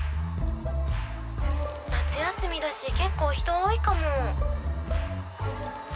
夏休みだし結構人多いかも」。